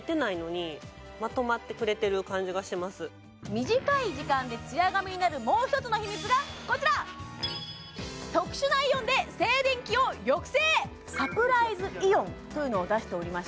短い時間でツヤ髪になるもうひとつの秘密がこちらサプライズイオンというのを出しておりまして